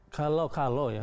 kalau kalau ya